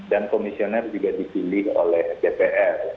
dan komisioner juga dipilih oleh dpr